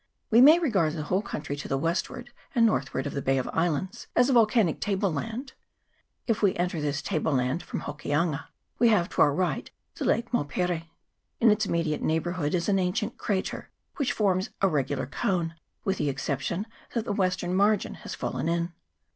We may regard the whole country to the westward and northward of the Bay of Islands as a volcanic table land. If we enter this table land from Hokianga we have to our right the Lake Maupere. In its immediate neighbourhood is an ancient crater, which forms a regular cone, with the exception that the western margin has fallen in.